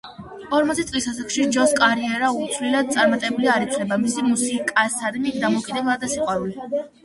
ორმოცი წლის ასაკში ჯოს კარიერა უცვლელად წარმატებულია, არ იცვლება მისი მუსიკისადმი დამოკიდებულება და სიყვარული.